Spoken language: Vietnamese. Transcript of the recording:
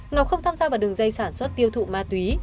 ngọc không tham gia vào đường dây sản xuất tiêu thụ ma túy